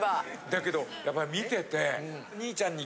だけどやっぱり見てて。